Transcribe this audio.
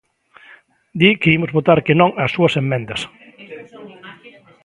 Di que imos votar que non ás súas emendas.